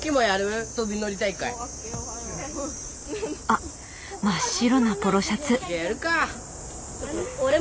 あっ真っ白なポロシャツ。